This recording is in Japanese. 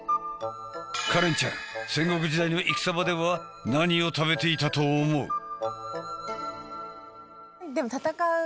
カレンちゃん戦国時代の戦場では何を食べていたと思う？